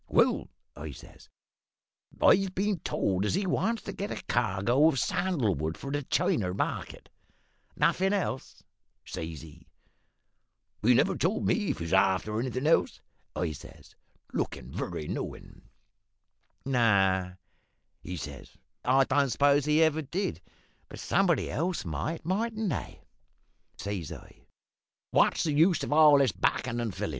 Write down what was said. "`Well,' I says, `I've been told as he wants to get a cargo of sandal wood for the China market.' "`Nothin' else?' says he. "`He never told me as he was after anythin' else,' I says, lookin' very knowin'. "`No,' he says, `I don't suppose he ever did; but somebody else might, mightn't they?' "Says I, `What's the use of all this backin' and fillin'?